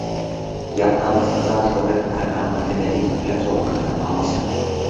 Я б нават сказаў, што гэта праграма для вялікіх пляцовак атрымалася.